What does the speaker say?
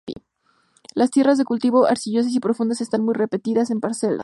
Las tierras de cultivo, arcillosas y profundas, están muy repartidas en parcelas.